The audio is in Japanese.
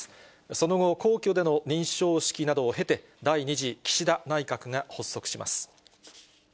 その後、皇居での認証式などを経て、第２次岸田内閣が発足します。